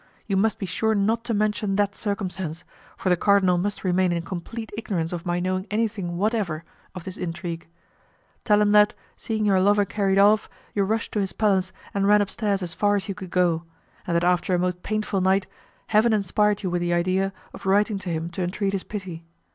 You must be sure not to mention that circumstance, for the cardinal must remain in complete ignorance of my knowing anything whatever of this intrigue. Tell him that, seeing your lover carried off, you rushed to his palace and ran upstairs as far as you could go, and that after a most painful night Heaven inspired you with the idea of writing to him to entreat his pity.